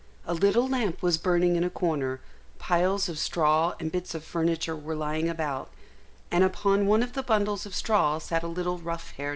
A little lamp was burning in a corner, piles of straw and bits of furniture were lying about, and upon one of the bundles of straw sat a little rough haired girl.